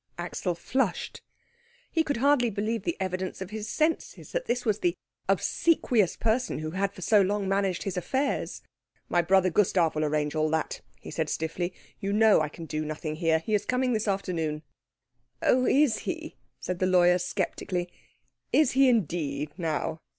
Axel flushed. He could hardly believe the evidence of his senses that this was the obsequious person who had for so long managed his affairs. "My brother Gustav will arrange all that," he said stiffly. "You know I can do nothing here. He is coming this afternoon." "Oh, is he?" said the lawyer sceptically. "Is he indeed, now?